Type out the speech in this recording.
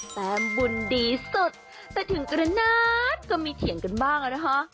แต้มบุญดีสุดแต่ถึงกระนาดก็มีเถียงกันบ้างอะนะคะ